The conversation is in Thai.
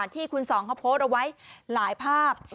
ที่คุณสองเขาโพสต์เอาไว้หลายภาพ